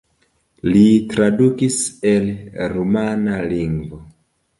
Li tradukis el rumana lingvo.